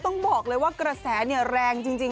ต้องบอกเลยว่ากระแสแรงจริง